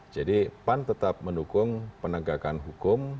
jadi pan tetap mendukung penegakan hukum